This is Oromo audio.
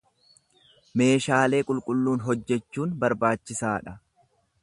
Meeshaalee qulqulluun hojjechuun barbaachisaa dha.